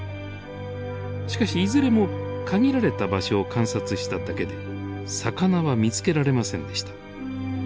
しかしいずれも限られた場所を観察しただけで魚は見つけられませんでした。